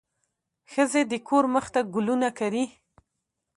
ښځې د کور مخ ته ګلونه کري.